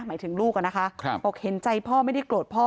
หมายถึงลูกอะนะคะบอกเห็นใจพ่อไม่ได้โกรธพ่อ